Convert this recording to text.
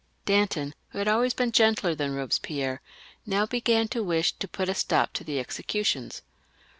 Danton, who had always been gentler than Eobespierre, now began to wish to put a stop to the executions.